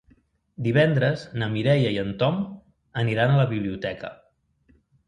Divendres na Mireia i en Tom aniran a la biblioteca.